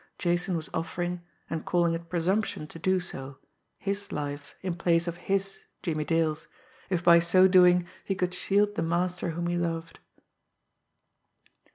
Jason was offering, and calling it presumption to do so, his life in place of his, Jimmie Dale's, if by so doing he could shield the master whom he loved.